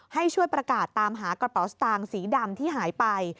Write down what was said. ให้ช่วยประกาศตามหากระเป๋าสตางค์สีดำที่หายไป